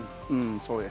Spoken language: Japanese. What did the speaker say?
そうです。